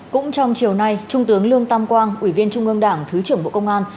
cũng trong chiều nay trung tướng lương tam quang ủy viên trung ương đảng thứ trưởng bộ công an